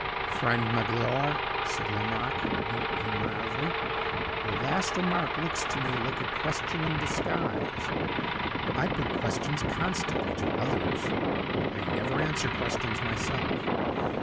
"Friend Magloire," said Lomaque, winking mildly, "your last remark looks to me like a question in disguise. I put questions constantly to others; I never answer questions myself.